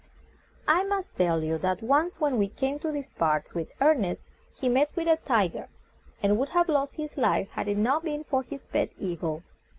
I must tell you that once when he came to these parts with Ernest he met with a TI GER, and would have lost his life had it not been for his pet Ea gle.